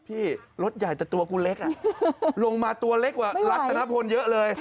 พี่รถใหญ่แต่ตัวกูเล็กลงมาตัวเล็กกว่ารัฐนพลเยอะเลย